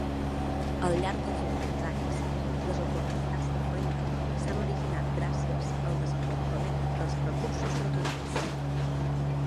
Al llarg dels últims anys, les oportunitats de feina s'han originat gràcies al desenvolupament dels recursos naturals.